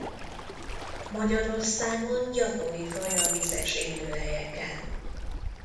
Magyarországon gyakori faj a vizes élőhelyeken.